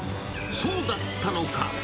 そうだったのか！